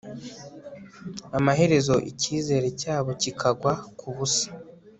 amaherezo, icyizere cyabo kikagwa ku busa